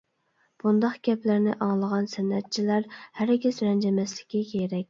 بۇنداق گەپلەرنى ئاڭلىغان سەنئەتچىلەر ھەرگىز رەنجىمەسلىكى كېرەك.